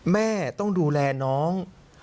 แม่ต้องดูแลน้อง